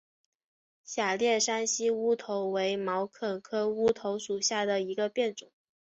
狭裂山西乌头为毛茛科乌头属下的一个变种。